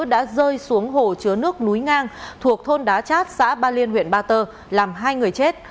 đã rơi xuống hồ chứa nước núi ngang thuộc thôn đá chát xã ba liên huyện ba tơ làm hai người chết